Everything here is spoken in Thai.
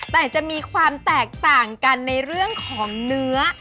แต่จะมีความแตกต่างกันในเรื่องของเนื้อ